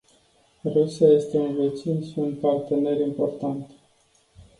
Rusia este un vecin și un partener important.